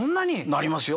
なりますよ。